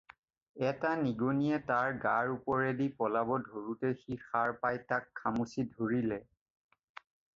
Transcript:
এটা নিগনিয়ে তাৰ গাৰ ওপৰেদি পলাব ধৰোঁতে সি সাৰ পাই তাক খামুচি ধৰিলে।